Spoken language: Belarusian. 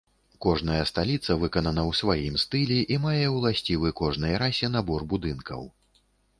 Кожная сталіца выканана ў сваім стылі і мае ўласцівы кожнай расе набор будынкаў.